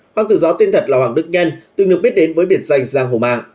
hoàng tự gió tên thật là hoàng đức nhân từng được biết đến với biệt danh giang hồ mạng